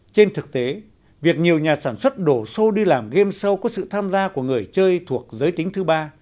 trên thực tế việc nhiều nhà sản xuất đổ xô đi làm game show có sự tham gia của người chơi thuộc giới tính thứ ba